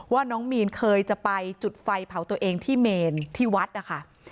ว่าน้องมีนเคยจะไปจุดไฟเผาตัวเองที่เมนที่วัดนะคะ